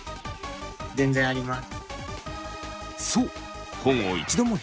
全然あります。